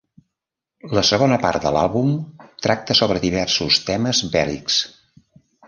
La segona part de l'àlbum tracta sobre diversos temes bèl·lics.